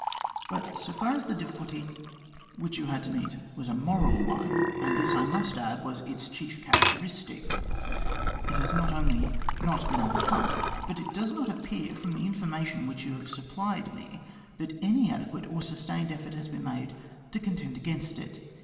But so far as the difficulty A GEIEVOUS ERROR OF MR GLADSTONE'S 153 which you had to meet was a moral one, and this, I must add, was its chief characteristic, it has not only not been overcome, hut it does not appear, from the information with which you have supplied me, that any adequate or sustained effort has been made to contend against it.